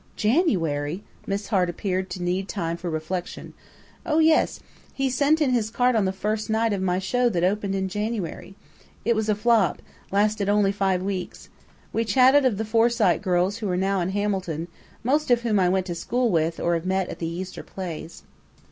"January?" Miss Hart appeared to need time for reflection. "Oh, yes! He sent in his card on the 'first night' of my show that opened in January.... It was a flop lasted only five weeks.... We chatted of the Forsyte girls who are now in Hamilton, most of whom I went to school with or have met at the Easter plays."